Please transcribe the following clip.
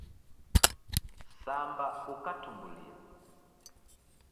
Samba ukatumbulia.